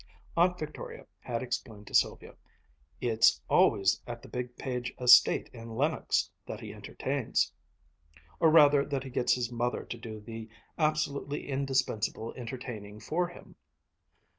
Aunt Victoria had explained to Sylvia, "It's always at the big Page estate in Lenox that he entertains, or rather that he gets his mother to do the absolutely indispensable entertaining for him."